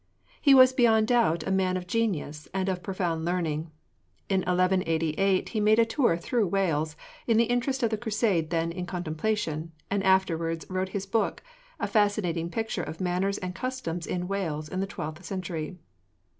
He was beyond doubt a man of genius, and of profound learning. In 1188 he made a tour through Wales, in the interest of the crusade then in contemplation, and afterwards wrote his book a fascinating picture of manners and customs in Wales in the twelfth century.